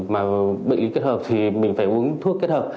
mà bệnh lý kết hợp thì mình phải uống thuốc kết hợp